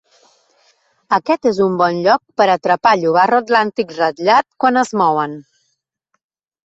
Aquest és un bon lloc per a atrapar llobarro atlàntic ratllat quan es mouen.